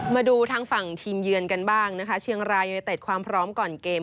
มาดูทางฝั่งทีมเยือนกันบ้างนะคะเชียงรายยูเนเต็ดความพร้อมก่อนเกม